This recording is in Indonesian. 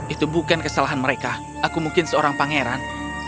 itu bukan kesalahan mereka aku mungkin seorang pangeran